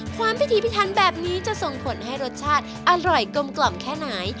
พิธีพิทันแบบนี้จะส่งผลให้รสชาติอร่อยกลมกล่อมแค่ไหน